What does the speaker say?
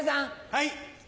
はい。